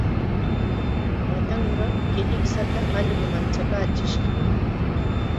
Waatanqaa killikshata allqu manchachishqa.